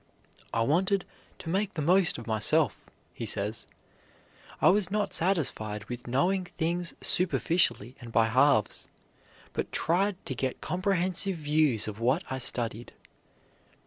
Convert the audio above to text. "I wanted to make the most of myself," he says; "I was not satisfied with knowing things superficially and by halves, but tried to get comprehensive views of what I studied."